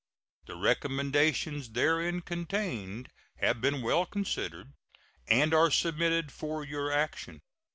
The recommendations therein contained have been well considered, and are submitted for your action.